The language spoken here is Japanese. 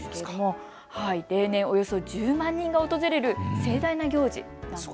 例年およそ１０万人が訪れる盛大な行事。